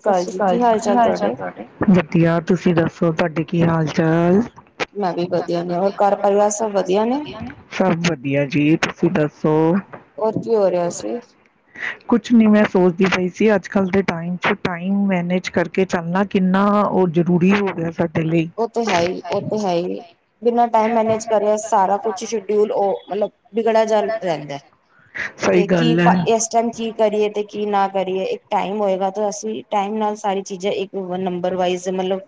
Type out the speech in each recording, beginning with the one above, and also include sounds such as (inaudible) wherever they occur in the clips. ਸਤਿ ਸ੍ਰੀ ਅਕਾਲ ਜੀ ਕੀ ਹਾਲ ਚਾਲ ਤੁਹਾਡੇ ਵਧੀਆ ਤੁਸੀਂ ਦੱਸ ਸੋ ਤੁਹਾਡੇ ਕੀ ਹਾਲ ਚਾਲ ਮੈਂ ਵੀ ਵਧੀਆ ਨੇ ਵਧੀਆ ਹੋਰ ਘਰ ਸਭ ਪਰਿਵਾਰ ਵਧੀਆ ਨੇ ਸਾਰਾ ਵਧੀਆ ਜੀ ਤੁਸੀਂ ਦੱਸ ਸੋ ਹੋਰ ਕੀ ਹੋ ਰਿਹਾ ਸੀ ਕੁਛ ਨੀ ਮੈਂ ਸੋਚਦੀ ਪਈ ਸੀ ਅੱਜ ਕੱਲ੍ਹ ਦੇ ਟਾਈਮ ' ਟਾਈਮ ਮੈਨੇਜ ਕਰਕੇ ਚੱਲਣਾ ਕਿੰਨਾ ਉਹ ਜ਼ਰੂਰੀ ਹੋ ਗਿਆ ਫ ਉਹ ਤੇ ਹੈ ਉਹ ਤੇ ਹੈ ਬਿਨਾਂ ਟਾਈਮ ਮਨੇਜ ਕਰੇ ਸਾਰਾ ਕੁਛ ਸ਼ਊਲ ਮਤਲਬ ਵਿਗੜਾ ਜਲ ਰਹਿੰਦਾ ਹੈ ਸਹੀ ਤੇ ਕੀ ਗੱਲ ਹੈ। ਇਸ ਟਾਈਮ ਕੀ ਕਰੀਏ ਤੇ ਕੀ ਨਾ ਕਰੀਏ ਟਾਈਮ ਹੋਏਗਾ ਤਾਂ ਅਸੀਂ ਟਾਈਮ ਨਾਲ ਸਾਰੀ ਚੀਜ਼ਾਂ ਨੰਬਰ ਵਜ਼ ਕਰੀਏ। ਮਤਲਬ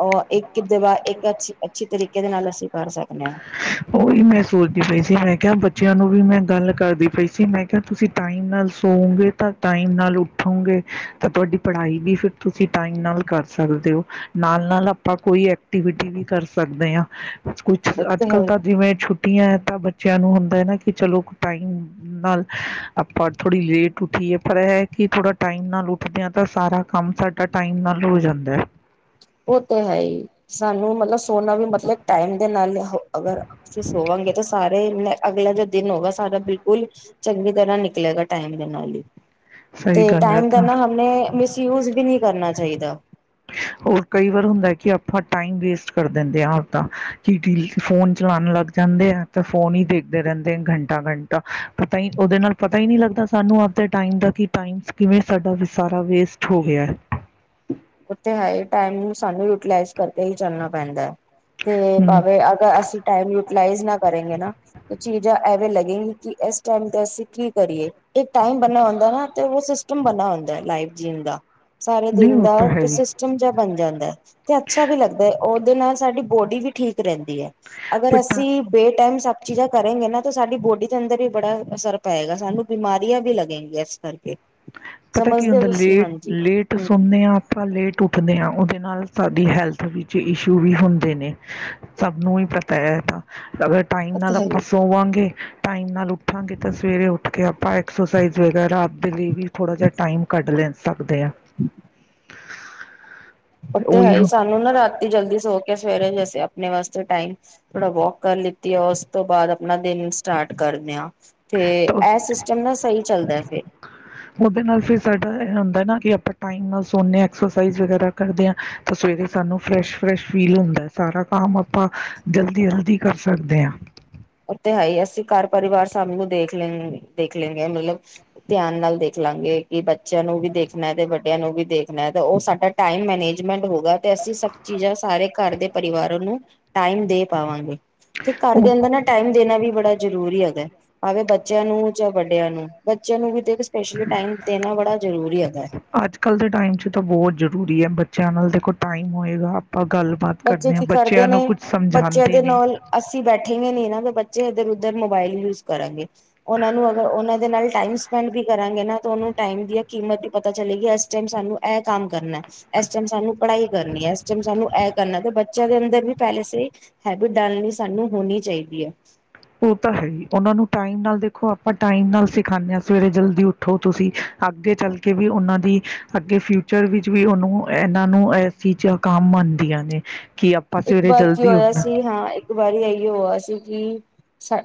ਉਹ ਇੱਕ ਅੱਛੀ ਤਰੀਕੇ ਦੇ ਨਾਲ ਅਸੀਂ ਕਰ ਸਕਦੇ ਹਾਂ ਉਹੀ ਮੈਂ ਸੋਚਦੀ ਪਈ ਸੀ ਮੈਂ ਕਿਹਾ ਬੱਚਿਆਂ ਨੂੰ ਵੀ ਮੈਂ ਗੱਲ ਕਰਦੀ ਪਈ ਸੀ ਮੈਂ ਕਿਹਾ ਤੁਸੀਂ ਟਾਈਮ ਨਾਲ ਸੋਓਗੇ ਤਾਂ ਟਾਈਮ ਨਾਲ ਉੱਠੋਗੇ ਤਾਂ ਤੁਹਾਡੀ ਪੜ੍ਹਾਈ ਵੀ ਫਿਰ ਤੁਸੀ ਟਾਈਮ ਨਾਲ ਕਰ ਸਕਦੇ ਹੋ ਨਾਲ ਨਾਲ ਆਪਾਂ ਕੋਈ ਐਕਟੀਵਿਟੀ ਵੀ ਕਰ ਸਕਦੇ ਹਾ। ਉਹ ਅੱਜ ਤੇ ਹੈ ਕੱਲ੍ਹ ਤਾਂ ਜਿਵੇਂ ਛੁੱਟੀ ਤਾਂ ਬੱਚਿਆਂ ਨੂੰ ਹੁੰਦਾ ਹੈ ਨਾ ਕਿ ਚਲੋ ਟਾਈਮ ਨਾਲ ਆਪਾਂ ਥੋੜ੍ਹੀ ਲੇਟ ਉੱਠੀਏ ਪਰ ਇਹ ਕਿ ਥੋੜਾ ਟਾਈਮ ਨਾਲ ਉੱਠਦੇ ਹਾ ਤਾਂ ਸਾਰਾ ਕੰਮ ਸਾਡਾ ਟਾਈਮ ਨਾਲ ਹੋ ਜਾਂਦਾ ਹੈ। ਉਹ ਤੇ ਹੈ ਹੀ ਸਾਨੂੰ ਮਤਲਬ ਸੋਨਾ ਵੀ ਮਤਲਬ ਟਾਈਮ ਦੇ ਨਾਲ ਅਗਰ ਅਸੀਂ ਸੋਵਾਂਗੇ ਤਾਂ ਸਾਰੇ ਮੈਂ ਅਗਲੇ ਦਿਨ ਹੋਗਾ ਸਾਰਾ ਬਿਲਕੁਲ ਚੰਗੀ ਤਰ੍ਹਾਂ ਨਿਕਲੇਗਾ ਟਾਈਮ ਦੇ ਨਾਲ ਹੀ। ਸਹੀ ਤੇ ਗੱਲ ਹੈ ਟਾਈਮ ਦਾ ਤਾਂ ਨਾ ਹਣੇ ਮਿਸਯੂਜ ਵੀ ਨਹੀਂ ਕਰਨਾ ਚਾਹੀਦਾ। ਹੋਰ ਕਈ ਵਾਰ ਹੁੰਦਾ ਕਿ ਆਪਾਂ ਟਾਈਮ ਵੇਸਟ ਕਰ ਦਿੰਦੇ ਆ ਆਪਦਾ ਕਿ ਫੋਨ ਚਲਾਨ ਲੱਗ ਜਾਂਦੇ ਆ ਤੇ ਫੋਨ ਹੀ ਦੇਖਦੇ ਰਹਿੰਦੇ ਘੰਟਾ ਘੰਟਾ ਪਤਾ ਹੀ ਉਹਦੇ ਨਾਲ ਪਤਾ ਹੀ ਨਹੀਂ ਲੱਗਦਾ ਸਾਨੂੰ ਆਪ ਦੇ ਟਾਈਮ ਦਾ ਟਾਈਮ ਕਿਵੇਂ ਸਾਡਾ ਸਾਰਾ ਵੇਸਟ ਹੋ ਗਿਆ। ਓ ਤੇ ਹੈ ਹੀ ਟਾਈਮ ਸਾਨੂੰ ਯੂਟੀਲਾਈਜ਼ ਕਰਕੇ ਹੀ ਚੱਲਣਾ ਪੈਂਦਾ ਹੈ। ਤੇ ਹੂੰ। ਭਾਵੇਂ ਅਗਰ ਅਸੀਂ ਟਾਈਮ ਯੂਟੀਲਾਈਜ਼ ਨਾ ਕਰੇਗੇ ਨਾ ਚੀਜ਼ਾਂ ਐਵੇਂ ਲੱਗੇਗੀ ਕਿ ਇਸ ਟਾਈਮ ਤੇ ਅਸੀਂ ਕੀ ਕਰੀਏ ਇੱਕ ਟਾਈਮ ਬਣਨਾ ਹੁੰਦਾ ਨਾ ਤੇ ਉਸ ਬਨਾ ਹੁੰਦਾ ਹੈ ਲਾਈਵ ਜੀਣ ਦਾ। ਸਾਰੇ ਨਹੀਂ ਦਿਨ ਉਹ ਦਾ ਤਾਂ ਹੈ ਹੀ। ਸਿਸਟਮ ਜਿਹਾ ਬਣ ਜਾਂਦਾ ਹੈ ਤੇ ਅੱਛਾ ਵੀ ਲੱਗਦਾ ਹੈ ਉਹ ਉਹਦੇ ਨਾਲ ਸਾਡੀ ਬੋਡੀ ਵੀ ਠੀਕ ਰਹਿੰਦੀ ਹੈ। ਅਗਰ ਪਟਾ ਅਸੀਂ ਬੇ ਟਾਈਮ ਚੀਜ਼ਾਂ ਕਰੇਗੇ ਨਾ ਤਾਂ ਸਾਡੀ ਬੋਡੀ ਦੇ ਅੰਦਰ ਵੀ ਬੜਾ ਅਸਰ ਪਏਗਾ ਸਾਨੂੰ ਬਿਮਾਰੀਆਂ ਵੀ ਲੱਗਣਗੀਆਂ ਇਸ ਕਰਕੇ ਪਤਾ ਕੀ ਸਮਝਦੇ ਹੋ ਹੁੰਦਾ ਤੁਸੀਂ ਲੇਟ ਹਾਂਜੀ ਲੇਟ ਹੂੰ ਸੁਣੇਆ, ਆਪਾਂ ਲੇਟ ਉਠਦੇ ਹਾਂ ਉਹਦੇ ਨਾਲ ਸਾਡੀ ਹੈਲਥ ਵਿੱਚ ਇਸ਼ੂ ਵੀ ਹੁੰਦੇ ਨੇ। ਸਭ ਨੂੰ ਹੀ ਪਤਾ ਹੈ ਐਹ ਤਾਂ (unintelligible) ਅਗਰ ਟਾਈਮ ਉਹ ਨਾਲ ਤਾਂ ਹੈ ਹੀ। ਆਪਾਂ ਸੋਵਾਂਗੇ ਟਾਈਮ ਨਾਲ ਉੱਠਾਂਗੇ ਤਾਂ ਸਵੇਰੇ ਉੱਠ ਕੇ ਆਪਾਂ ਐਕਸਰਸਾਈਜ਼ ਵਗੈਰਾ ਰਾਤ ਦੇ ਲਈ ਵੀ ਥੋੜ੍ਹਾ ਜਿਹਾ ਟਾਈਮ ਕੱਢ ਲੈ ਸਕਦੇ ਆ। ਓ ਤੇ ਹੈ ਉਹੀ ਹੀ ਹੁਣ ਸਾਨੂੰ ਨਾ ਰਾਤੀ ਜਲਦੀ ਸੋ ਸਵੇਰੇ ਜ ਅਸੀਂ ਆਪਣੇ ਵਾਸਤੇ ਟਾਈਮ ਥੋੜਾ ਵੋਕ ਕਰ ਲਿੱਤੀ ਆ ਉਸ ਤੋਂ ਬਾਅਦ ਆਪਣਾ ਦਿਨ ਸਟਾਰਟ ਕਰਦੇਆਂ। ਤੇ ਤਾਂ ਐਹ ਸਿਸਟਮ ਨਾ ਸਹੀ ਚੱਲਦਾ ਫਿਰ। ਹਨ ਕਿ ਆਪਾਂ ਟੈਮ ਨਾਲ ਸੋਣੇ ਆਂ ਐਕਸਰਸਾਈਜ਼ ਵਗੈਰਾ ਕਰਦੇ ਹਾਂ ਤੇ ਸਵੇਰੇ ਸਾਨੂੰ ਫਰੈਸ਼- ਫਰੈਸ਼ ਫੀਲ ਹੁੰਦਾ ਸਾਰਾ ਕੰਮ ਆਪਾਂ ਜਲਦੀ- ਜਲਦੀ ਕਰ ਸਕਦੇ ਹਾਂ। ਉਥੇ ਹੈ ਹੀ ਅਸੀਂ ਘਰ ਪਰਿਵਾਰ ਸਭ ਨੂੰ ਦੇਖ ਲ ਦੇਖ ਲੈਂਗੇ ਮਤਲਬ ਧਿਆਨ ਨਾਲ ਦੇਖਲਾਂਗੇ ਕਿ ਬੱਚਿਆਂ ਨੂੰ ਵੀ ਦੇਖਣਾ ਤੇ ਵੱਡਿਆਂ ਨੂੰ ਵੀ ਦੇਖਣਾ ਤੇ ਉਹ ਸਾਡਾ ਟਾਈਮ ਮੈਨੇਜਮੈਂਟ ਹੋਗਾ। ਤੇ ਅਸੀਂ ਸਭ ਚੀਜ਼ਾਂ ਸਾਰੇ ਘਰ ਦੇ ਪਰਿਵਾਰ ਨੂੰ ਟਾਈਮ ਦੇ ਪਾਵਾਂਗੇ। ਤੇ ਘਰ ਉਹ ਦੇ ਅੰਦਰ ਨਾ ਦੇਣਾ ਵੀ ਬੜਾ ਜਰੂਰੀ ਹੈਦਾ ਭਾਵੇਂ ਬੱਚਿਆਂ ਨੂੰ ਜਾਂ ਵੱਡਿਆਂ ਨੂੰ ਬੱਚਿਆਂ ਨੂੰ ਵੀ ਦੇਖ ਸ਼ ਅੱਜ- ਕੱਲ੍ਹ ਦੇ ਟਾਈਮ ਚ ਤਾਂ ਬਹੁਤ ਜਰੂਰੀ ਹੈ ਬ ਚੈਨਲ ਦੇ ਕੋਲ ਟਾਈਮ ਹੋਏਗਾ। ਗੱਲਬਾਤ ਬੱਚੇ ਹਾਂ ਕੀ ਕਰਦੇ ਨੇ ਕੁਝ ਬੱਚਿਆਂ ਸਮਝਾਉਂਦੇ ਦੇ ਨਾਲ ਅਸੀਂ ਬੈਠੇਗੇਂ ਨੀ ਤੋ ਬੱਚੇ ਇਧਰ ਉਧ ਉੱਧਰ ਮੋਬਾਇਲ ਯੂਜ ਕਰਾਂਗੇ। ਉਹਨਾਂ ਨੂੰ ਅਗਰ ਉਹਨਾਂ ਦੇ ਨਾਲ ਟਾਈਮ ਸਪੈਂ ਪੈਨ ਵੀ ਕਰਾਂਗੇ ਨਾ ਤਾਂ ਤੁਹਾਨੂੰ ਟਾਈਮ ਦੀਆਂ ਕੀਮਤ ਪਤਾ ਚਲੇਗੀ ਏਸ ਟਾਈਮ ਸਾਨੂੰ ਇਹ ਕੰਮ ਕਰਨਾ ਇਸ ਟਾਈਮ ਸਾਨੂੰ ਪੜ੍ਹਾਈ ਕਰਨੀ ਹੈ ਏਸ ਟਾਈਮ ਸਾਨੂੰ ਕਰਨਾ ਤੇ ਬੱਚਿਆਂ ਦੇ ਅੰਦਰ ਵੀ ਪਹਿਲੇ ਸਹੀ ਹੈਬਿਟ ਡਾਲਣੀ ਸਾਨੂੰ ਹੋਣੀ ਚਾਹੀਦੀ ਹੈ। ਉਹ ਤਾਂ ਹੈ ਹੀ ਉਹਨਾਂ ਨੂੰ ਟਾਈਮ ਨਾਲ ਦੇਖੋ ਆਪਾਂ ਟਾਈਮ ਨਾਲ ਸਿਖਾਂਦੇ ਹਾਂ ਸਵੇਰੇ ਜਲਦੀ ਉੱਠੋ ਤੁਸੀਂ ਅੱਗੇ ਚੱਲ ਕੇ ਵੀ ਉਹਨਾਂ ਦੀ ਅੱਗੇ ਫਿਊਚਰ ਵਿੱਚ ਵੀ ਉਹਨੂੰ ਇਹਨਾਂ ਨੂੰ ਇਸ ਚੀਜ਼ ਕੰਮ ਆਂਦੀਆਂ ਨੇ। ਕਿ ਆਪਾਂ ਇੱਕ ਸਵੇਰੇ ਵਾਰ ਕੀ ਜਲਦੀ ਹੋਇਆ ਉੱਠਣਾ ਸੀ ਹਾਂ ਇੱਕ ਵਾਰੀ ਇਹੀ ਹੋਇਆ ਸੀ ਕਿ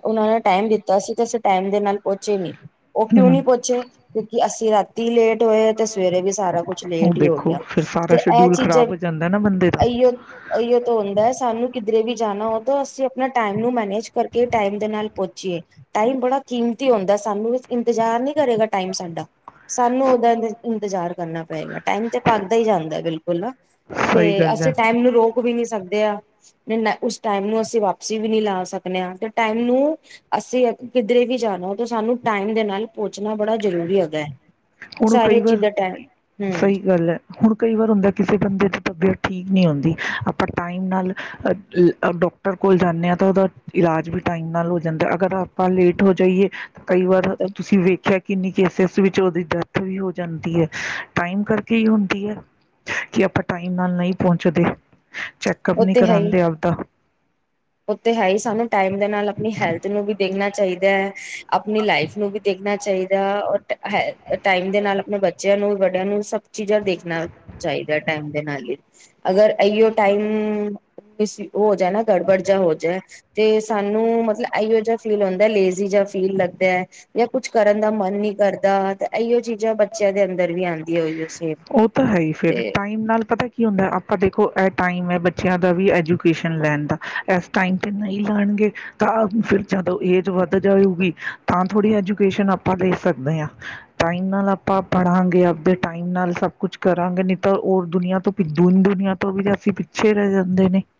ਉਹਨਾਂ ਨੇ ਟਾਈਮ ਦਿੱਤਾ ਸੀ ਤੇ ਅਸੀਂ ਟਾਈਮ ਦੇ ਨਾਲ ਪਹੁੰਚੇ ਨੀ ਉਹ ਕਿਉਂ ਹਮ ਨਹੀਂ ਪੁੱਛੇ ਕਿਉਂਕਿ ਅਸੀਂ ਰਾਤੀ ਲੇਟ ਹੋਏ ਤੇ ਸਵੇਰੇ ਵੀ ਸਾਰਾ ਕੁਛ ਉਹ ਲੇਟ ਹੀ ਹੋ ਦੇਖੋ ਗਿਆ ਫਿਰ ਤੇ ਸਾਰਾ ਇਹ ਸ਼ਡਿਊਲ ਚੀਜ਼ਾਂ ਖ਼ਰਾਬ ਹੋ ਜਾਂਦਾ ਨਾ ਬੰਦੇ ਦਾ ਇਹੀਓ ਤੋਂ ਹੁੰਦਾ ਹੈ ਸਾਨੂੰ ਕਿਧਰੇ ਵੀ ਜਾਣਾ ਹੋ ਤਾਂ ਅਸੀਂ ਆਪਣਾ ਟਾਈਮ ਨੂੰ ਮੈਨੇਜ ਕਰਕੇ ਟਾਈਮ ਦੇ ਨਾਲ ਪਹੁਚੀਏ ਟਾਈਮ ਬੜਾ ਕੀਮਤੀ ਆਉਂਦਾ ਸਾਨੂੰ ਇੰਤਜ਼ਾਰ ਨੀ ਕਰੇਗਾ ਟਾਈਮ ਸਾਡਾ ਸਾਨੂੰ ਉਹਦਾ ਇੰ ਇੰਤਜ਼ਾਰ ਕਰਨਾ ਪਏਗਾ। ਟਾਈਮ ਤੇ ਭਗਦਾ ਹੀ ਜਾਂਦਾ ਬਿਲਕੁਲ ਨਾ ਤੇ ਸਹੀ ਗੱਲ ਹੈ। ਅਸੀਂ ਟਾਈਮ ਨੂੰ ਰੋਕ ਸਕਦੇ ਆ ਉਸ ਟਾਈਮ ਨੂੰ ਅਸੀਂ ਵਾਪਸੀ ਵੀ ਨਈ ਲਾ ਸਕਣੇ ਹਾਂ ਤੇ ਟਾਈਮ ਨੂੰ ਅਸੀਂ ਕਿਧਰੇ ਵੀ ਜਾਣਾ ਤਾਂ ਸਾਨੂੰ ਟਾਈਮ ਦੇ ਨਾਲ ਪਹੁੰਚਣਾ ਬੜਾ ਜ਼ਰੂਰੀ ਹੈਗਾ ਹੈ। ਹੁਣ ਕਈ ਸਾਰੀਆਂ ਵਾਰ ਚੀਜ਼ਾਂ ਟਾਈਮ ਹਮ ਸਹੀ ਗੱਲ ਐ ਹੁਣ ਕਈ ਵਾਰ ਹੁੰਦਾ ਕਿਸੇ ਬੰਦੇ ਦੀ ਤਬੀਅਤ ਠੀਕ ਨਹੀਂ ਹੁੰਂਦੀ ਆਪਾਂ ਟਾਈਮ ਨਾਲ ਡਾਕਟਰ ਕੋਲ ਜਾਂਦੇ ਹਾਂ ਤਾਂ ਉਹਦਾ ਇਲਾਜ ਵੀ ਟਾਈਮ ਨਾਲ ਹੋ ਜਾਂਦਾ ਅਗਰ ਆਪਾਂ ਲੇਟ ਹੋ ਜਾਈਏ ਕਈ ਵਾਰ ਤੁਸੀਂ ਵੇਖਿਆ ਕਿੰਨੀ ਕੇਸਿਸ ਵਿੱਚ ਉਹਦੀ ਡੈਥ ਵੀ ਹੋ ਜਾਂਦੀ ਹੈ ਟਾਈਮ ਕਰਕੇ ਹੀ ਹੁੰਦੀ ਹੈ ਕਿ ਆਪਾਂ ਟਾਈਮ ਨਾਲ ਨਹੀਂ ਪਹੁੰਚਦੇ। ਚੈੱਕਅਪ ਉਹ ਨਹੀਂ ਤੇ ਹੈ ਹੀ ਕਰਾਂਦੇ ਅਪਦਾ ਉਹ ਤੇ ਹੈ ਹੀ। ਸਾਨੂੰ ਟਾਈਮ ਦੇ ਨਾਲ ਆਪਣੀ ਹੈਲਥ ਨੂੰ ਵੀ ਦੇਖਣਾ ਚਾਹੀਦਾ ਹੈ। ਆਪਣੀ ਲਾਈਫ ਨੂੰ ਵੀ ਦੇਖਣਾ ਚਾਹੀਦਾ। ਔਰ ਹੈ। ਟਾਈਮ ਦੇ ਨਾਲ ਆਪਣੇ ਬੱਚੇ (unintelligible) ਬੱਚਿਆਂ ਨੂੰ, ਵੱਡਿਆਂ ਨੂੰ, ਸਭ ਚੀਜ਼ਾਂ ਦੇਖਣਾ ਚਾਹੀਦਾ ਟਾਈਮ ਦੇ ਨਾਲ ਹੀ। (unintelligible) ਅਗਰ (unintelligible) ਉਹ ਹੋ ਜਾਏ ਨਾ ਗੜਬੜ (unintelligible) ਤੇ ਹੋ ਜਾਏ ਤੇ ਸਾਨੂੰ ਮਤਲਬ ਇਹੋ ਜਿਹਾ (unintelligible) ਫੀਲ ਹੁੰਦਾ। ਲੇਜ਼ੀ ਜਾ ਫੀਲ ਲੱਗਦਾ ਐ ਜਾਂ ਕੁਛ ਕਰਨ ਦਾ ਮਨ ਨੀ ਕਰਦਾ ਤੇ ਐਹੀਓ ਚੀਜ਼ਾਂ ਬੱਚਿਆਂ ਦੇ ਅੰਦਰ ਵੀ ਆਉਂਦੀਆਂ। ਉਹੀਓ ਸੇਮ ਉਹ ਤਾਂ ਤੇ ਪਰ ਦੇਖੋ ਇਹ ਟਾਈਮ ਹੈ ਬੱਚਿਆਂ ਦਾ ਵੀ ਐਜੂਕੇਸ਼ਨ ਲੈਣ ਦਾ। ਇਸ ਟਾਈਮ ਤੇ ਨਹੀਂ ਲੈਣਗੇ, ਤਾਂ ਫਿਰ ਜਦੋਂ ਏਜ ਵੱਧ ਜਾਊਗੀ ਤਾਂ ਥੋੜ੍ਹੀ ਐਜੂ (unintelligible) ਟਿਊਸ਼ਨ ਆਪਾ ਦੇ ਸਕਦੇ ਹਾਂ। ਟਾਈਮ ਨਾਲ ਆਪਾਂ ਪੜਾਂਗੇ। ਆਪਦੇ ਟਾਈਮ ਨਾਲ ਸਭ ਕੁਛ ਕਰਾਂਗੇ। ਨਹੀਂ ਤਾਂ, ਉਹ ਦੁਨੀਆਂ ਤੋਂ ਦੀਨ ਦੁਨੀਆਂ ਤੋਂ ਵੀ ਅਸੀ ਪਿੱਛੇ ਰਹਿ ਜਾਂਦੇ ਨੇ। (unintelligible)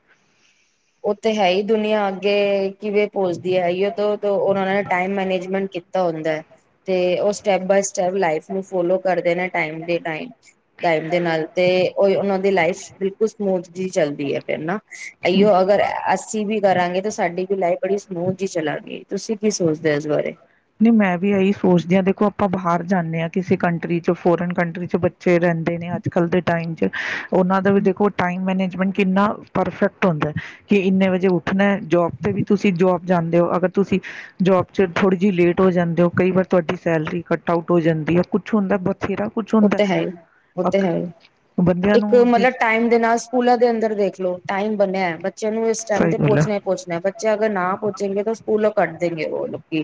ਉਹ ਤੇ ਹੈ ਹੀ ਦੁਨੀਆਂ ਅੱਗੇ ਕਿਵੇਂ ਤੇ ਹੈ ਹੀ ਸਟੈਪ ਬਾਏ ਟਾਈਮ ਦੇ ਨਾਲ ਤੇ, ਉਹੀ ਉਹਨਾਂ ਦੀ ਲਾਈਫ ਬਿਲਕੁਲ ਸਮੂਥ ਜੀ ਚੱਲਦੀ ਹੈ ਫਿਰ ਨਾ। ਐਹੀਓ ਅਗਰ ਅਸੀਂ ਵੀ ਕਰਾਂਗੇ ਤਾਂ ਸਾਡੀ ਵੀ ਲਾਈਫ ਬੜੀ ਸਮੂਥ ਜੀ ਚਲਾਂਗੀ। ਤੁਸੀਂ ਕੀ ਸੋਚਦੇ ਹੋ? ਇਸ ਬਾਰੇ ਨਹੀਂ, ਮੈਂ ਵੀ ਇਹੀ ਸੋਚਦੀ ਹਾਂ। ਦੇਖੋ ਆਪਾਂ ਬਾਹਰ ਜਾਂਦੇ ਹਾਂ ਕਿਸੇ ਕੰਟਰੀ ਚ। ਫੋਰਨ ਕੰਟਰੀ ਚ ਬੱਚੇ ਰਹਿੰਦੇ ਨੇ ਅੱਜ-ਕੱਲ੍ਹ ਦੇ ਟਾਈਮ ਚ। (inaudible) ਉਹਨਾਂ ਦਾ ਵੀ ਦੇਖੋ, ਟਾਈਮ ਮੈਨੇਜਮੈਂਟ ਕਿੰਨਾ ਪਰਫੈਕਟ ਹੁੰਦਾ ਕਿ ਇੰਨੇ ਵਜੇ ਉੱਠਣਾ ਐ ਜੋਬ ਜਾਂਦੇ ਹੋ। ਅਗਰ ਤੁਸੀਂ ਜੋਬ ਚ ਥੋ ਜੀ ਲੇਟ ਹੋ ਜਾਂਦੇ ਹੋ। ਕਈ ਵਾਰ ਤੁਹਾਡੀ ਸੈਲਰੀ ਕਟ ਆਊਟ ਹੋ ਜਾਂਦੀ ਆ। ਕੁਛ ਹੁੰਦਾ ਬਹੁ ਉਹ ਤਾਂ ਹੈ ਹੀ, ਉਹ ਤਾਂ ਹੈ ਹੀ। ਬੰਦਿਆਂ ਇੱਕ ਨੂੰ ਜਿਸ ਮਤਲਬ ਟਾਈਮ ਦੇ ਨਾਲ, ਸਕੂਲਾਂ ਦੇ ਅੰਦਰ ਦੇਖਲੋ ਟਾਈਮ ਬੰਨਿਆ (unintelligible) ਬੱਚਿਆਂ ਨੂੰ ਇਸ ਟਾਈਮ ਸਹੀ ਤੇ ਗੱਲ ਹੈ। ਪਹੁੰਚਣਾ ਹੀ ਪਹੁੰਚਣਾ। ਬੱਚੇ ਅਗਰ ਨਾ ਪਹੁੰਚੇਗੇ ਤਾਂ ਸਕੂਲੋਂ ਕੱਢ ਦੇਂਗੇ ਉਹ ਲੋਕੀ,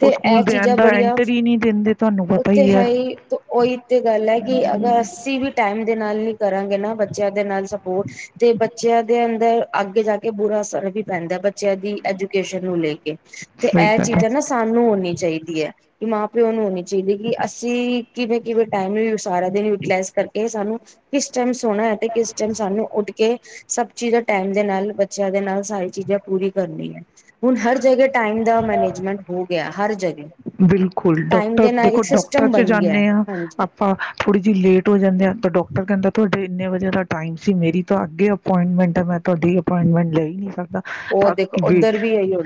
ਤੇ ਉਹ ਇਹ ਸਕੂਲ ਦੇ ਚੀਜ਼ਾਂ ਅੰਦਰ ਬੜੀਆਂ, ਐਂਟਰ ਹੀ ਨਹੀਂ ਦਿੰਦੇ ਤੁਹਾਨੂੰ ਉਹ ਪਤਾ ਤੇ ਹੈ ਹੀ ਤੇ ਉਹੀ ਗੱਲ ਹੈ ਕਿ ਅਗਰ ਅਸੀਂ ਵੀ ਟਾਈਮ ਦੇ ਨਾਲ ਨੀ ਕਰਾਂਗੇ ਨਾ, ਬੱਚਿਆਂ ਦੇ ਨਾਲ ਸਪੋਰਟ ਤੇ ਬੱਚਿਆਂ ਦੇ ਅੰਦਰ ਅੱਗੇ ਜਾ ਕੇ ਬੁਰਾ ਅਸਰ ਵੀ ਪੈਂਦਾ ਐ, ਬੱਚਿਆਂ ਦੀ ਐਜੂਕੇਸ਼ਨ ਨੂੰ ਲੈ ਕੇ। ਤੇ ਐਹ ਚੀਜ਼ਾਂ ਨਾ, ਸਾਨੂੰ ਹੋਣੀ ਚਾਹੀਦੀ ਹੈ। ਕਿ ਮਾਂ ਪਿਓ ਨੂੰ ਹੋਣੀ ਚਾਹੀਦੀ ਕਿ ਅਸੀਂ ਕਿਵੇਂ ਕਿ ਟਾਈਮ ਵੀ ਸਾਰਾ ਦਿਨ ਯੂਟੀਲਾਈਜ਼ ਕਰਕੇ, ਸਾਨੂੰ ਕਿਸ ਟਾਈਮ (unintelligible) ਸੋਹਣਾ ਹੈ ਤੇ ਕਿਸ ਟਾਈਮ ਸਾਨੂੰ ਉੱਠ ਕੇ ਸਭ ਚੀਜ਼ਾਂ ਟਾਈਮ ਦੇ ਨਾਲ ਬੱਚਿਆਂ ਦੇ ਨਾਲ ਸਾਰੀ ਚੀਜ਼ਾਂ ਪੂਰੀ ਕਰਨੀ ਐ। ਹੁਣ ਹਰ ਜਗ੍ਹਾ ਟਾਈਮ ਦਾ ਮੈਨੇਜਮੈਂਟ ਹੋ ਗਿਆ ਹਰ ਜਗ੍ਹਾ, ਬਿਲਕੁਲ ਟਾਈਮ ਡਾਕਟਰ ਦੇ ਨਾਲ ਦੇਖੋ ਇੱਕ ਡਾਕਟਰ ਸਿਸਟਮ ਚ ਬਣ ਗਿਆ। ਜਾਂਦੇ ਹਾਂ ਹਾਂਜੀ ਆਪਾਂ ਥੋੜ੍ਹੀ ਜਿਹੀ ਲੇਟ ਹੋ ਜਾਂਦੇ ਆ ਤਾਂ ਡਾਕਟਰ ਕਹਿੰਦਾ ਤੁਹਾਡਾ ਅਤੇ ਇੰਨੇ ਵਜੇ ਦਾ ਟਾਈਮ ਸੀ ਮੇਰੀ ਤਾਂ ਅੱਗੇ ਅਪੋਇੰਟਮੈਂਟ ਹੈ ਮੈਂ ਤੁਹਾਡੀ ਅਪੁਆਇੰਟਮੈਂਟ ਲੈ ਨਹੀਂ ਸਕਦਾ। ਉਹ ਦੇਖੋ ਉੱਧਰ ਵੀ ਆਈ ਆ।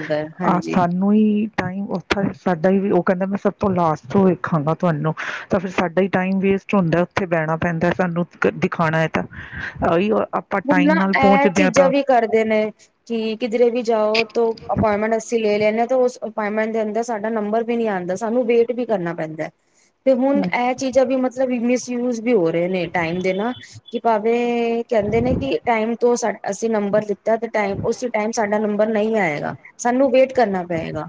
ਆਹ ਸਾਨੂੰ ਹੀ ਟਾਈਮ ਉਥੇ ਸਾਡਾ ਈ ਕਹਿੰਦਾ ਮੈਂ ਸਭ ਤੋਂ ਲਾਸਟ ਤੋਂ ਵੇਖਾਂਗਾ ਤੁਹਾਨੂੰ ਤਾਂ ਫਿਰ ਸਾਡਾ ਹੀ ਟਾਈਮ ਵੇਸਟ ਹੁੰਦਾ ਉੱਥੇ ਬਹਿਣਾ ਪੈਂਦਾ ਸਾਨੂੰ ਦਿਖਾਣਾ ਹੈ ਤਾਂ (unintelligible) ਹੁਣ ਨਾ ਨਾਲ ਇਹ ਪਹੁੰਚਦੇ ਹਾਂ ਚੀਜ਼ਾਂ ਤਾਂ ਵੀ ਕਰਦੇ ਨੇ ਕਿ ਕਿਧਰੇ ਵੀ ਜਾਓ ਤੋਂ ਅਪੁਆਇੰਟਮੈਂਟ ਅਸੀਂ ਲੇ ਲੈਣ ਪਹਿਲਾ ਤਾਂ ਉਸ ਅਪੁਆਟਮੈਂਟ ਦੇ ਅੰਦਰ ਸਾਡਾ ਨੰਬਰ ਵੀ ਨੀ ਆਂਦਾ ਸਾਨੂੰ ਵੇਟ ਵੀ ਕਰਨਾ ਪੈਂਦਾ। ਤੇ ਹੁਣ ਹਮ ਇਹ ਚੀਜ਼ਾਂ ਵੀ ਮਤਲਬ ਮਿਸ ਯੂਜ਼ ਵੀ ਹੋ ਰਹੇ ਨੇ ਟਾਈਮ ਦੇ ਨਾ ਕਿ ਭਾਵੇ ਕਹਿੰਦੇ ਨੇ ਕਿ ਟਾਈਮ ਤੋਂ ਅਸੀਂ ਨੰਬਰ ਦਿੱਤਾ। ਸਾਡਾ ਤੇ ਟਾਈਮ ਉਸ ਟਾਈਮ ਸਾਡਾ ਨੰਬਰ ਨਹੀਂ ਆਏਗਾ, ਸਾਨੂੰ ਵੇਟ ਕਰਨਾ ਪਏਗਾ।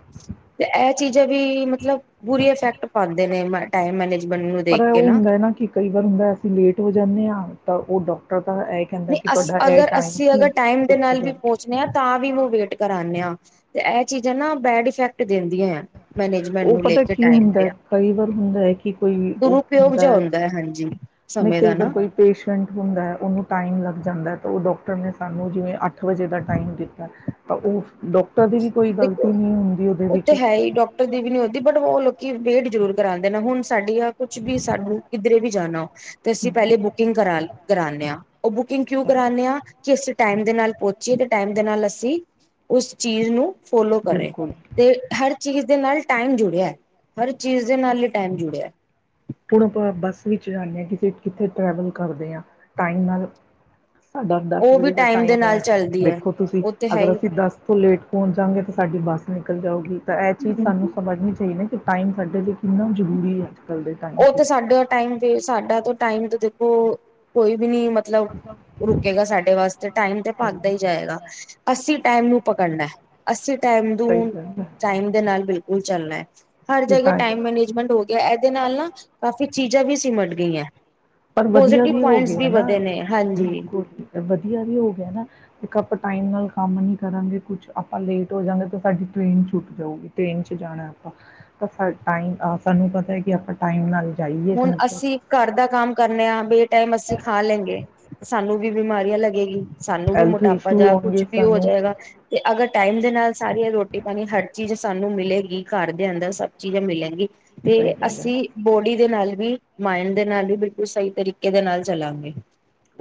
ਤੇ ਇਹ ਚੀਜ਼ਾਂ ਵੀ ਮਤਲਬ ਬੁਰੀ ਇਫੈਕਟ ਪਾਉਂਦੇ ਨੇ ਟਾਈਮ ਮੈਨਜ਼ ਪਰ ਉਹ ਹੁੰਦਾ ਨਾ ਕਿ ਕਈ ਵਾਰ ਹੁੰਦਾ ਅਸੀਂ ਲੇਟ ਹੋ ਜਾਂਨੇ ਆ ਤਾਂ ਉਹ ਡਾਕਟਰ ਤਾਂ ਇਹ ਕਹਿੰਦਾ ਨਹੀਂ ਕਿ ਤੁਹਾਡਾ ਇਹ ਅਗਰ ਟਾਈਮ ਅਸੀਂ ਸੀ ਅਗਰ ਟਾਈਮ ਦੇ ਤੁਸੀਂ ਨਾਲ ਵੀ ਕਰ ਪਹੁੰਚਣੇ ਹਾਂ ਤਾਂ ਵੀ ਵੇਟ ਕਰਾਨੇ ਆ, ਤੇ ਇਹ ਚੀਜ਼ਾਂ ਨਾ ਬੈਡ ਇਫੈਕਟ ਦਿੰਦੀਆਂ। ਮੈਨੇਜਮੈਂਟ ਉਹ ਨੂੰ ਲੈ ਪਤਾ ਕੇ ਕੀ ਟਾਈਮ ਹੁੰਦਾ ਦੇ ਆ। ਕਈ ਵਾਰ ਹੁੰਦਾ ਹੈ ਕਿ ਕੋਈ ਉਹ ਦੁਰਉਪਯੋਗ ਹੁੰਦਾ ਜਿਹਾ ਹੈ, ਹਾਂਜੀ ਨਹੀਂ ਸਮੇਂ ਕਈ ਦਾ ਵਾਰ ਨਾ ਕੋਈ ਪੇਸ਼ੈਂਟ ਹੁੰਦਾ ਹੈ ਉਹਨੂੰ ਟਾਈਮ ਲੱਗ ਜਾਂਦਾ ਤਾਂ ਉਹ ਡੋਕਟਰ ਨੇ ਸਾਨੂੰ ਜਿਵੇਂ ਅੱਠ ਵਜੇ ਦਾ ਟਾਈਮ ਦਿੱਤਾ, ਤਾਂ ਉਹ ਡਾਕਟਰ ਦੀ ਵੀ ਕੋਈ ਗ਼ਲਤੀ ਦੇਖੋ ਨਹੀਂ ਹੁੰਦੀ ਉਹਦੇ ਉਹ ਵਿੱਚ। ਤੇ ਹੈ ਹੀ ਡਾਕਟਰ ਦੀ ਵੀ ਨਹੀਂ ਬਟ ਉਹ ਲੋਕੀ ਵੇਟ ਜ਼ਰੂਰ ਕਰਾਉਂਦੇ ਨੇ ਹੁਣ ਸਾਡੀ ਆ ਕੁਛ ਵੀ ਸਾਨੂੰ ਕਿੱਧਰੇ ਵੀ ਜਾਣਾ ਤੇ ਅਸੀਂ ਪਹਿਲੇ ਬੁਕਿੰਗ ਕਰਾ ਕਰਾਨੇ ਆ। ਉਹ ਬੁਕਿੰਗ ਕਿਉਂ ਕਰਾਨੇ ਆ ਕਿ ਅਸੀ ਟਾਈਮ ਦੇ ਨਾਲ ਪਹੁੰਚੀਏ ਤੇ ਟਾਈਮ ਦੇ ਨਾਲ ਅਸੀਂ ਉਸ ਚੀਜ਼ ਨੂੰ ਫੋਲੋ ਕਰੇ, ਬਿਲਕੁਲ ਤੇ ਹਰ ਚੀਜ਼ ਦੇ ਨਾਲ ਟਾਈਮ ਜੁੜਿਆ, ਹਰ ਚੀਜ਼ ਦੇ ਨਾਲ ਹੀ ਟਾਈਮ ਜੁੜਿਆ। ਹੁਣ ਆਪਾਂ ਬੱਸ ਵਿੱਚ ਜਾਂਦੇ ਹਾਂ ਕਿ ਕਿੱਥੇ ਟਰੈਵਲ ਕਰਦੇ ਹਾਂ ਟਾਈਮ ਨਾਲ ਸਾਡਾ ਦਸ ਉਹ ਵਜੇ ਵੀ ਦਾ ਦੇ ਟਾਈਮ ਨਾਲ ਹੈ ਚੱਲਦੀ ਹੈ ਦੇਖੋ ਤੁਸੀਂ ਉਹ ਤੇ ਹੈ ਅਗਰ ਹੀ ਅਸੀਂ ਦਸ ਤੋਂ ਲੇਟ ਪਹੁੰਚ ਜਾਂਗੇ ਤਾਂ ਸਾਡੀ ਬੱਸ ਸਾਈਕਲ ਜਾਓਗੀ ਤਾਂ ਇਹ ਚੀਜ਼ ਸਾਨੂੰ ਸਮਝਣੀ ਚਾਹੀਦੀ ਕਿ ਟਾਈਮ ਕੱਢੇ ਜ, ਕਿੰਨਾ ਜ਼ਰੂਰੀ ਹੈ। ਅੱਜ ਕੱਲ੍ਹ ਦੇ ਟਾਈਮ ਉਹ 'ਚ ਤੇ ਸਾਡਾ ਟਾਈਮ ਸਾਡਾ। ਟਾਈਮ ਤੋਂ ਦੇਖੋ ਕੋਈ। ਵੀ ਨੀ ਮਤਲਬ ਰੁਕੇਗਾ ਸਾਡੇ ਵਾਸਤੇ ਟਾਈਮ ਤੇ ਭਗਦਾ ਹੀ ਜਾਏਗਾ। ਅਸੀਂ ਟਾਈਮ ਨੂੰ ਪਕੜਨਾ। ਅੱਸੀ ਟਾਈਮ ਨੂੰ ਟਾਈਮ ਦੇ ਨਾਲ ਬਿਲ ਉਹ ਚੱਲਣਾ ਹੈ। ਹਰ ਜਗ੍ਹੇ ਕੀਤਾ ਹੈ। ਟਾਈਮ ਮੈਨੇਜਮੈਂਟ ਹੋ। ਗਿਆ ਇਹਦੇ ਨਾਲ ਨਾ ਕਾਫੀ ਚੀਜ਼ਾਂ ਵੀ ਸੀਮਟ ਗਈਆਂ। ਪਰ ਵਧੀਆ ਪੋਜੀਟਿਵ ਵੀ ਹੋ ਪੁਆਇੰਟਸ ਗਿਆ ਨਾ। ਵਧੇ ਨੇ ਹਾਂਜੀ ਬਿਲਕੁਲ ਵਧੀਆ ਵੀ ਹੋ ਗਿਆ ਨਾ। ਇੱਕ ਆਪਾਂ ਟਾਈਮ ਨਾਲ ਕੰਮ ਨਹੀਂ ਕਰਾਂਗੇ ਕੁਛ ਆਪਾਂ ਲੇਟ ਹੋ ਜਾਂਵਗੇ ਤਾਂ ਸਾਡੀ ਟ੍ਰੇਨ ਛੁੱਟ ਜਾਊਗੀ ਟ੍ਰੇਨ 'ਚ ਜਾਣਾ ਆਪਾਂ ਤਾਂ ਸਾ ਟਾਈਮ ਸਾਨੂੰ ਪਤਾ ਹੈ। ਕਿ ਆਪਾਂ ਟਾਈਮ ਨਾਲ ਜਾਈਏ ਹੁਣ ਘਰ ਅਸੀਂ ਤੱਕ ਘਰ ਦਾ ਕੰਮ ਕਰ। ਬ (inaudible) ਟਾਈਮ ਅਸੀਂ ਖਾ ਲੈਂਗੇ। ਸਾਨੂੰ ਵੀ ਬਿਮਾਰੀਆਂ ਲੱਗੇਗੀ। ਸਾਨੂੰ ਵੀ ਹੈਲਥ ਮੋਟਾਪਾ ਇਸ਼ੂ ਜਾਂ ਕੁਛ ਹੋਣਗੇ ਵੀ ਹੋ, ਸਾਨੂੰ ਜਾਏਗਾ ਤੇ ਅਗਰ ਟਾਈਮ ਦੇ ਨਾਲ ਸਾਰੀ ਇਹ ਰੋਟੀ ਪਾਣੀ ਹਟ। ਚੀਜ਼ ਸਾਨੂੰ ਮਿਲੇਗੀ ਘਰ ਦੇ ਅੰਦਰ ਸਭ ਚੀਜ਼ ਮਿਲਲੇਗੀ। ਤੇ ਘਰ ਅਸੀਂ ਬੋਡੀ। ਨਾਲ ਵੀ ਮਾਇਣ ਦੇ ਨਾਲ ਵੀ ਬਿਲਕੁਲ ਸਹੀ ਤਰੀਕੇ ਦੇ ਨਾਲ ਚਲਾਂਗੇ।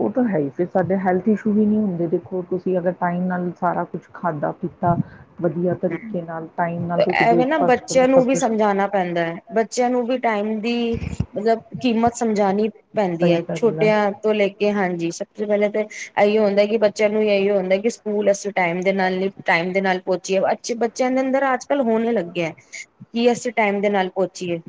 ਉਹ ਤਾਂ ਹੈ। ਹੀ ਫਿਰ ਸਾਡੇ ਹੈਲਥ ਇਸ਼ੂ ਹੀ ਨਹੀਂ ਹੁੰਦੇ ਦੇਖੋ ਤੁਸੀਂ ਅਗਰ ਟਾਈਮ ਨਾਲ ਸਾਰਾ ਕੁਛ ਖਾਧਾ ਪੀਤਾ ਵਧੀਆ ਤਰੀਕੇ ਨਾਲ ਟਾਈਮ ਨਾਲ ਤੁਸੀਂ ਐਵੇਂ ਨਾ ਬ੍ਰੇਕਫਾਸਟ ਕਰੋ ਬੱਚਿਆਂ ਸਭ ਨੂੰ ਵੀ ਕੁਛ ਸਮਝਾਉਣਾ ਪੈਂਦਾ ਹੈ। ਬੱਚਿਆਂ ਨੂੰ ਵੀ ਟਾਈਮ ਦੀ ਮਤਲਬ ਕੀਮਤ ਸਮਝਾਣੀ। ਪੈਂਦੀ ਸਹੀ ਹੈ। ਗੱਲ ਛੋਟਿਆਂ ਤੋਂ ਲੈ ਕੇ ਹਾਂਜੀ ਸਭ ਤੋਂ ਪਹਿਲਾਂ ਤਾਂ ਇਹੀ ਹੁੰਦਾ ਕਿ ਬੱਚਿਆਂ ਨੂੰ ਇਹੀ ਹੁੰਦਾ ਕਿ ਸਕੂਲ ਅ। ਟਾਈਮ ਦੇ ਨਾਲ ਹੀ। ਟਾਈਮ ਦੇ ਨਾਲ ਪਹੁੰਚੀਏ ਬੇ ਬੱਚਿਆਂ ਦੇ ਅੰਦਰ ਅੱਜ ਕੱਲ ਹੋਣ ਲੱਗੇ ਹੈ। ਕੀ ਅਸੀਂ ਟਾਈਮ ਦੇ ਨਾਲ ਪਹੁੰਚੀਏ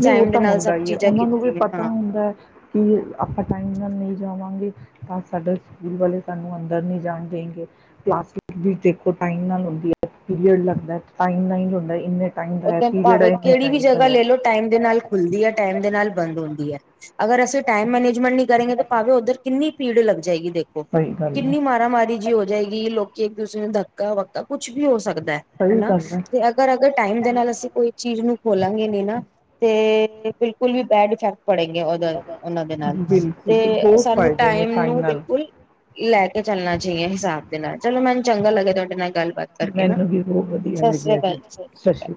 ਵੀ ਉਹ ਟਾਈਮ ਦੇ ਤਾਂ ਨਾਲ ਹੁੰਦਾ ਸਭ ਹੀ ਹੈ। ਚੀਜ਼ਾਂ ਉਹਨਾਂ ਨੂੰ ਵੀ ਕੀਤੀ ਹੈ ਪਤਾ ਹਾਂ ਹੁੰਦਾ ਹੈ। ਕਿ ਆਪਾਂ ਟਾਈਮ ਨਾਲ ਨਹੀਂ ਜਾਵਾਂਗੇ ਤਾਂ ਸਾਡਾ ਸਕੂਲ ਵਾਲੇ ਸਾਨੂੰ ਅੰਦਰ ਨਹੀਂ ਜਾਣ ਦੇਣਗੇ। ਕਲਾਸਿਸ ਵੀ ਦੇਖੋ ਟਾਈਮ ਨਾਲ ਹੁੰਦੀ ਹੈ। ਪੀਰੀਅਡ ਲੱਗਦਾ ਟਾਈਮ ਨਾਲ ਹੁੰਦਾ ਇੰਨੇ ਟਾਈਮ ਦਾ ਹੈ ਉਥੇ ਪੀਰੀਅਡ ਹੈ ਭਾਵੇਂ ਇੰਨੇ ਕਿਹੜ ਵੀ ਟਾਈਮ ਦਾ ਜਗਾ ਰਹਤ ਹੈ ਲੈ ਲੋ। ਦੇ ਨਾਲ ਖੁੱਲਦੀ ਹੈ। ਟਾਈਮ ਦੇ ਨਾਲ ਬੰਦ ਹੁੰਦੀ ਹੈ। ਅਗਰ ਅਸੀਂ ਟਾਈਮੈਨੇਜਮੈਂਟ ਕਰੇਗੇ ਤੇ ਭਾਵੇਂ ਉੱਧਰ ਕਿੰਨੀ ਪੀੜ ਲੱਗ ਜਾਏਗੀ ਦੇਖੋ ਸਹੀ ਗੱਲ ਹੈ ਕਿੰਨੀ ਮਾਰਾ ਮਾਰੀ ਜਿ ਹੋ ਜਾਏਗੀ ਲੋਕ ਇੱਕ ਦੂਸਰੇ ਨੂੰ ਧੱਕਾ ਵੱਕਾ ਕੁੱਛ ਵੀ ਹੋ ਸਕਦਾ। ਸਹੀ ਹਨਾ ਗੱਲ ਹੈ ਤੇ ਅਗਰ ਅਗਰ ਟਾਈਮ ਦੇ ਨਾਲ ਅਸੀਂ ਕੋਈ ਚੀਜ਼ ਖੋਲਾਂਗੇ ਨੇ ਨਾ ਤੇ ਬਿਲਕੁਲ ਵੀ ਬੈਡ ਇਫੈਕਟ ਪੜੇਗੇ ਉਹ ਉਹਨਾਂ ਦੇ ਨਾਲ ਬਿਲਕੁਲ ਤੇ ਬਹੁਤ ਸਾਨੂੰ ਫਾਇਦੇ ਨੇ ਟਾਈਮ ਨੂੰ ਨਾਲ ਬਿਲਕੁਲ ਲੈ ਕੇ ਚੱਲਣਾ ਚਾਹੀਏ ਹਿਸਾਬ ਦੇ ਨਾਲ ਚਲੋ ਮੈਨੂੰ ਚੰਗਾ ਲੱਗਿਆ ਤੁਹਾਡੇ ਨਾਲ ਗੱਲਬਾਤ ਗੱਲ ਕਰਕੇ ਨਾ ਮੈਨੂੰ ਵੀ ਬਹੁਤ ਵਧੀਆ ਸਤਿ ਸ੍ਰੀ ਲੱਗਿਆ ਅਕਾਲ ਜੀ ਸਤਿ ਸ਼੍ਰੀ ਅਕਾਲ।